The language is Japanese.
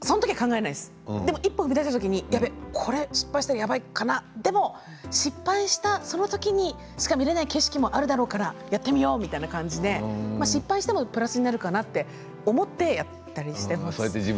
一歩踏み出した時にこれ失敗した時やばいかなでも失敗したその時にしか見られない景色もあるからやってみようみたいな感じで失敗してもプラスになるかなと思ってやったりしています。